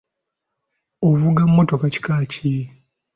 Ovuga mmotoka kika ki?